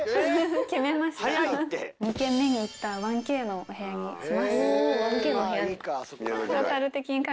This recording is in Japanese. ２件目に行った１Ｋのお部屋にします。